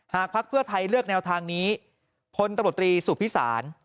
หากพักเพื่อไทยเลือกแนวทางนี้พลตบตรีสุพิษาร